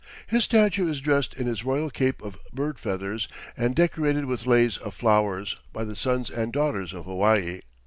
His statue is dressed in his royal cape of bird feathers and decorated with leis of flowers by the sons and daughters of Hawaii.